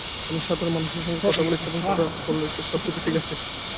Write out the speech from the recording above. আমি সাধারণ মানুষের সঙ্গে কথা বলেছি এবং তারা বলেছে সবকিছু ঠিক আছে।